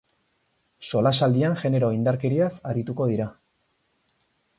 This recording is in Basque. Solasaldian genero indarkeriaz arituko dira.